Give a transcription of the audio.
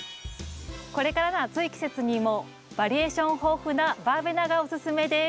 これからの暑い季節にもバリエーション豊富なバーベナがおすすめです。